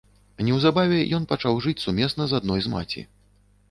Неўзабаве ён пачаў жыць сумесна з адной з маці.